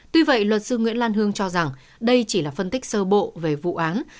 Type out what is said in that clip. tuy vậy luật sư nguyễn lan hương cho rằng đây chỉ là phân tích sơ bộ về vụ án